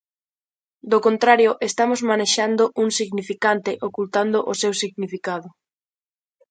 Do contrario, estamos manexando un significante ocultando o seu significado.